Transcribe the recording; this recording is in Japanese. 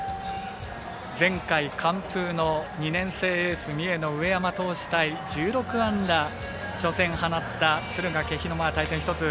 前回、完封の２年生エースの三重の上山投手対１６安打、初戦放った敦賀気比の対戦。